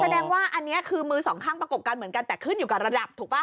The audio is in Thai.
แสดงว่าอันนี้คือมือสองข้างประกบกันเหมือนกันแต่ขึ้นอยู่กับระดับถูกป่ะ